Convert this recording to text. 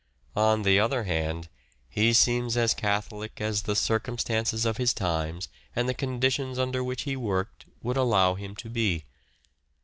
On the other hand, he seems as catholic as the circumstances of his times and the conditions under which he worked would allow him to be.